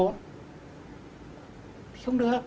thì không được